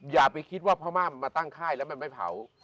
อย่าไปคิดว่าพม่ามาตั้งค่ายแล้วมันไม่เผา